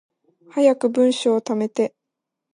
早く文章溜めて